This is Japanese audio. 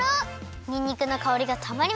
にんにくのかおりがたまりません！